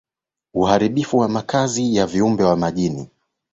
Uharibifu wa makazi ya viumbe wa majini